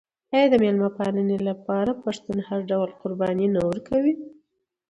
آیا د میلمه پالنې لپاره پښتون هر ډول قرباني نه ورکوي؟